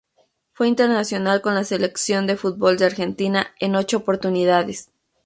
Fue internacional con la Selección de fútbol de Argentina en ocho oportunidades.